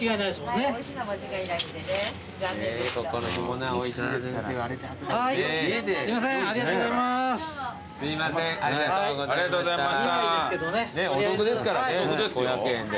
ねっお得ですからね５００円で。